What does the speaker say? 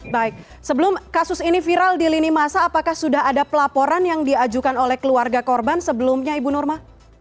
baik sebelum kasus ini viral di lini masa apakah sudah ada pelaporan yang diajukan oleh keluarga korban sebelumnya ibu nurma